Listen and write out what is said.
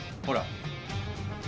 ほら。